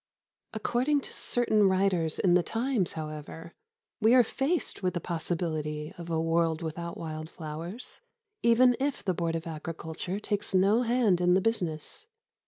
According to certain writers in The Times, however, we are faced with the possibility of a world without wild flowers, even if the Board of Agriculture takes no hand in the business.